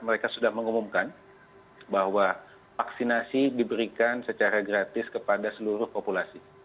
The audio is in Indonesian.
mereka sudah mengumumkan bahwa vaksinasi diberikan secara gratis kepada seluruh populasi